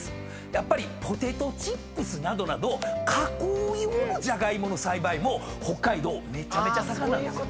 やっぱりポテトチップスなどなど加工用のじゃがいもの栽培も北海道めちゃめちゃ盛んなんですよね。